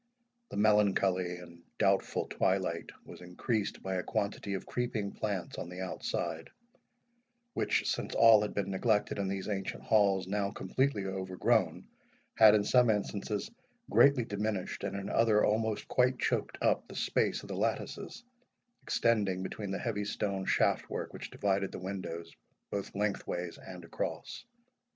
The melancholy and doubtful twilight was increased by a quantity of creeping plants on the outside, which, since all had been neglected in these ancient halls, now completely overgrown, had in some instances greatly diminished, and in others almost quite choked up, the space of the lattices, extending between the heavy stone shaftwork which divided the windows, both lengthways and across.